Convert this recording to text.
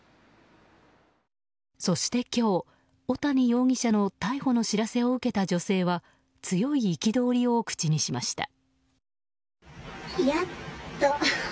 そして今日、小谷容疑者の逮捕の知らせを受けた女性は強い憤りを口にしました。